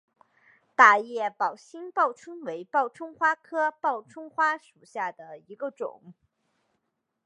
大叶宝兴报春为报春花科报春花属下的一个种。